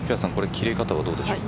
切れ方はどうでしょう？